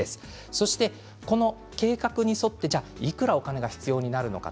そして、この計画に沿っていくらお金が必要になるのか